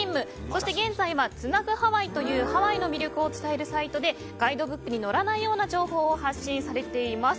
そして現在はつなぐハワイというハワイの魅力を伝えるサイトでガイドブックに載らないような情報を発信されています。